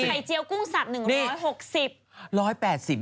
ไข่เจียวกุ้งสัตว์๑๖๐